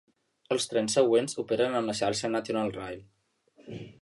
Els trens següents operen en la xarxa National Rail.